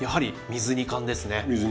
水煮缶です。